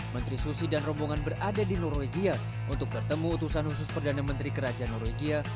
menteri susi dan rombongan berada di norwegia untuk bertemu utusan khusus perdana menteri kerajaan norwegia